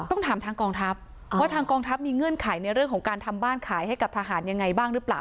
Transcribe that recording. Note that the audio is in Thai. ต้องถามทางกองทัพว่าทางกองทัพมีเงื่อนไขในเรื่องของการทำบ้านขายให้กับทหารยังไงบ้างหรือเปล่า